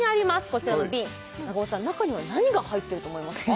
こちらの瓶中尾さん中には何が入ってると思いますか？